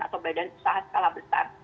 atau badan usaha skala besar